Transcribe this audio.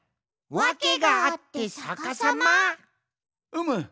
わけがあってさかさま？うむ。